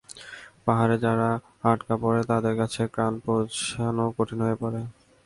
পাহাড়ে যারা আটকা পড়ে, তাদের কাছে ত্রাণ পৌঁছানো কঠিন হয়ে পড়ে।